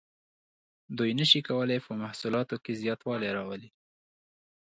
دوی نشو کولی په محصولاتو کې زیاتوالی راولي.